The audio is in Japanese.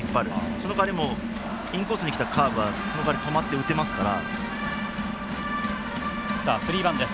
そのかわりインコースにきたカーブはその代わり止まって打てますから。